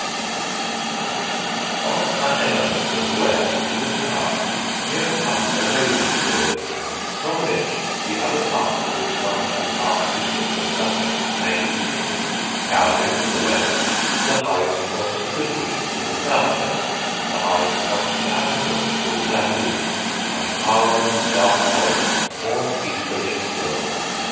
[Sidenote: THE YOUNG RAVENS] On an eminence in the west is a tower (near a clump where ravens build), from which the other parks of this wonderful park district of Sussex may be seen: Cowdray to the west, the highest points of Goodwood to the south west, the highest points of Arundel to the south east, and Parham's dark forest more easterly still.